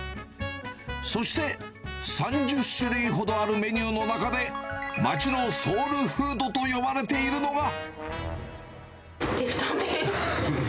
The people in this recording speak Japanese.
そして、３０種類ほどあるメニューの中で、町のソウルフードと呼ばれているのは。